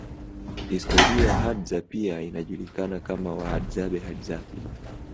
Historia Hadza pia inajulikana kama Wahadzabe Hadzapi